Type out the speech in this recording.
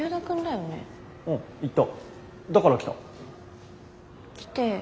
だから来た。